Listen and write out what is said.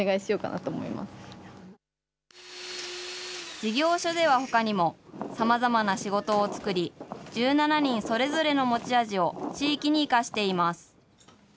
事業所ではほかにもさまざまな仕事を作り、１７人それぞれの持ち味を地域に生かしています。